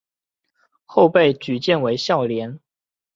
后被举荐为孝廉。